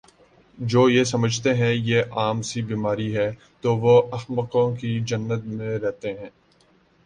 جو یہ سمجھتے ہیں یہ عام سی بیماری ہے تو وہ احمقوں کی جنت میں رہتے ہیں